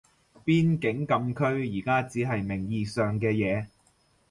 邊境禁區而家只係名義上嘅嘢